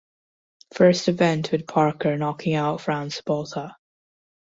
First event with Parker knocking out Frans Botha.